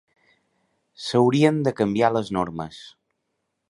S'haurien de canviar les normes.